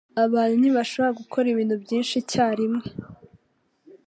Abantu ntibashobora gukora ibintu byinshi icyarimwe.